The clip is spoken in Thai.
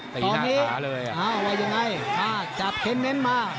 ตอนนี้เอาไว้ยังไงจากเข้มเน้นมา